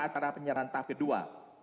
acara penyerahan tahap kedua